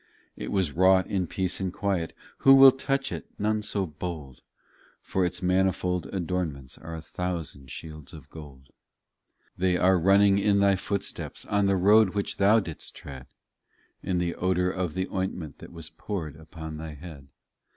It was wrought in peace and quiet, Who will touch it ? None so bold, For its manifold adornments Are a thousand shields of gold. 25 They are running in Thy footsteps, On the road which Thou didst tread In the odour of the ointment That was poured upon Thy head.